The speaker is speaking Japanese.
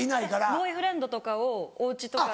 ボーイフレンドとかをお家とかに。